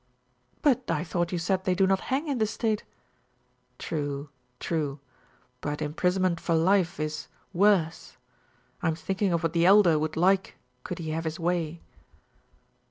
"But I thought you said they do not hang in this state." "True true. But imprisonment for life is worse. I'm thinking of what the Elder would like could he have his way."